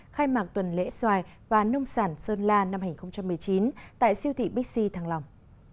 khai mạc tuần lễ xoài và nông sản sơn la năm hai nghìn một mươi chín tại siêu thị bixi thăng lòng